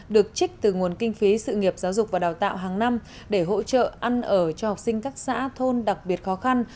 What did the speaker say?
được trích từ nguồn kinh phí sự nghiệp giáo dục và đào tạo hàng năm để hỗ trợ ăn ở cho học sinh các xã thôn đặc biệt khó khăn